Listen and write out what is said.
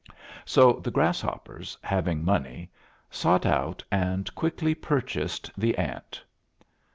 So the grasshoppers, having money, sought out and quickly purchased the ant.